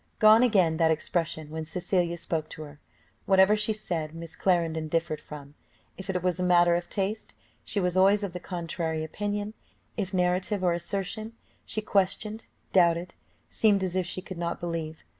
Gone again that expression, when Cecilia spoke to her: whatever she said, Miss Clarendon differed from; if it was a matter of taste, she was always of the contrary opinion; if narrative or assertion, she questioned, doubted, seemed as if she could not believe.